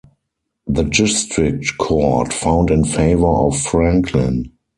The district court found in favor of Franklin.